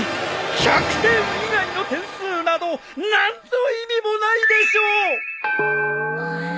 １００点以外の点数など何の意味もないでしょう！